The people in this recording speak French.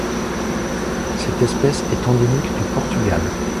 Cette espèce est endémique du Portugal.